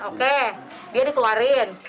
oke dia dikeluarin